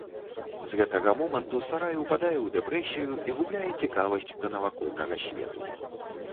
З гэтага моманту сарай упадае ў дэпрэсію і губляе цікавасць да навакольнага свету.